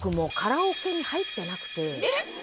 えっ！